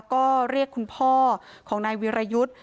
ก็เรียกคุณพ่อของนายวิรยุทธ์